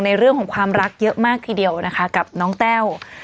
ในเรื่องของความรักเยอะมากทีเดียวนะคะกับน้องแต้ว